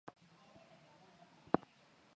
nafasi ya kuweza kutoa mashauriano lakini